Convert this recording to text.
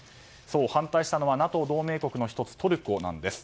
反対したのはＮＡＴＯ加盟国の１つトルコなんです。